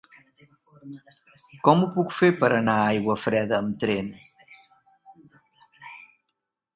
Com ho puc fer per anar a Aiguafreda amb tren?